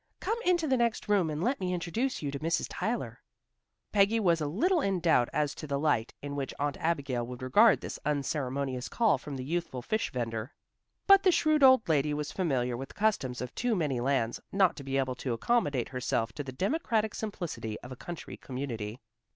Come into the next room and let me introduce you to Mrs. Tyler." Peggy was a little in doubt as to the light in which Aunt Abigail would regard this unceremonious call from the youthful fish vender. But the shrewd old lady was familiar with the customs of too many lands, not to be able to accommodate herself to the democratic simplicity of a country community.